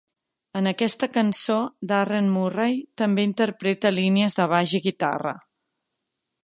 En aquesta cançó, Darren Murray també interpreta línies de baix i guitarra.